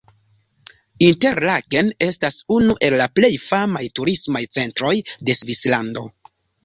Interlaken estas unu el la plej famaj turismaj centroj de Svislando.